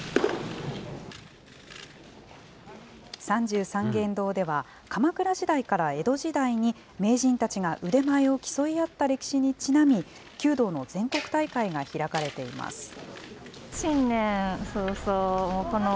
三十三間堂では、鎌倉時代から江戸時代に、名人たちが腕前を競い合った歴史にちなみ、弓道の全国大会が開かれていきます。